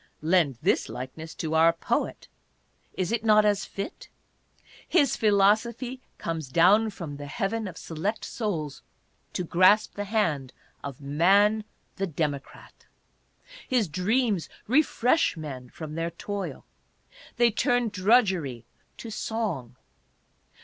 Lend this like ness to our poet ; is it not as fit ? His philosophy comes down from the heaven of select souls to grasp the hand of Man the Democrat. His dreams refresh men from their toil. They turn drudgery to song.